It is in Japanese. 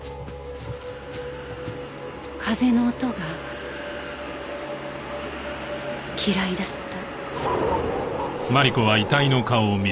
風の音が嫌いだった。